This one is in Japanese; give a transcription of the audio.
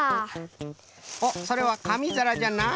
おっそれはかみざらじゃな。